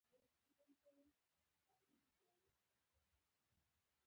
پتک اوبه یخې ساتي.